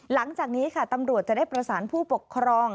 หลังจากนี้ค่ะตำรวจจะได้ประสานผู้ปกครอง